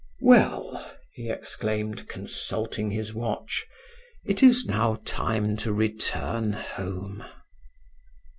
"Well!" he exclaimed, consulting his watch, "it is now time to return home."